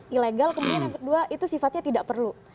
ilegal kemudian yang kedua itu sifatnya tidak perlu